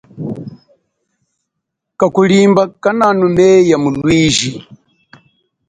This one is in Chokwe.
Kakhulimba kananumeya mulwiji.